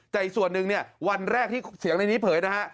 แต่อีกส่วนหนึ่งเนี่ยวันแรกที่เสียงในนี้เผยนะฮะ